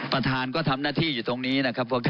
ท่านประธานครับคุณอฮุชาเนี่ยจะตัดเงินเดือนใช่ไหมท่านประธานครับ